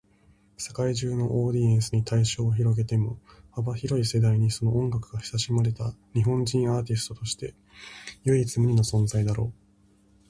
世界中のオーディエンスに対象を広げても、幅広い世代にその音楽が親しまれた日本人アーティストとして唯一無二の存在だろう。